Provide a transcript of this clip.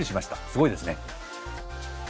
すごいですね。